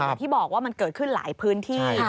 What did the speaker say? อย่างที่บอกว่ามันเกิดขึ้นหลายพื้นที่